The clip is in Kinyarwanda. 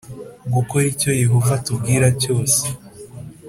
gukora icyo Yehova atubwira cyose